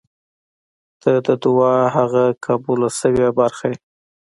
• ته د دعا هغه قبل شوې برخه یې.